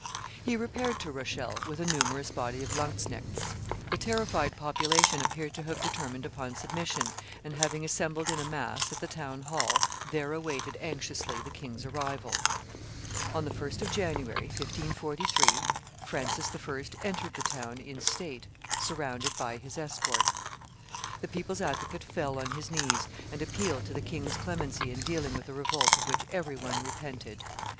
He repaired to Rochelle with a numerous body of lanzknechts. The terrified population appeared to have determined upon submission, and, having assembled in a mass at the town hall, there awaited anxiously the king's arrival. On the 1st of January, 1543, Francis I. entered the town in state, surrounded by his escort. The people's advocate fell on his knees, and appealed to the king's clemency in dealing with a revolt of which every one repented.